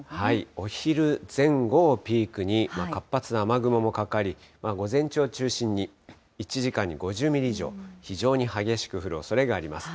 お昼前後をピークに、活発な雨雲もかかり、午前中を中心に１時間に５０ミリ以上、非常に激しく降るおそれがあります。